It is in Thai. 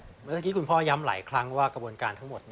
เมื่อกี้คุณพ่อย้ำหลายครั้งว่ากระบวนการทั้งหมด